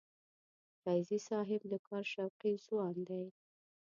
فیضي صاحب د کار شوقي ځوان دی.